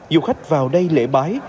du khách vào đây lễ bái